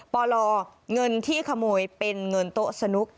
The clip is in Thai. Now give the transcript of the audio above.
ปลเงินที่ขโมยเป็นเงินโต๊ะสนุก